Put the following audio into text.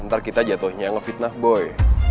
ntar kita jatuhnya ngefitnah boy